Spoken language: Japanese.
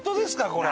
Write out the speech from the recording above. これ。